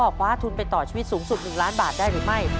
คว้าทุนไปต่อชีวิตสูงสุด๑ล้านบาทได้หรือไม่